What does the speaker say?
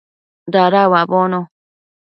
Dada uabono